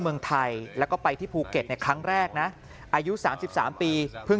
เมืองไทยแล้วก็ไปที่ภูเก็ตในครั้งแรกนะอายุ๓๓ปีเพิ่ง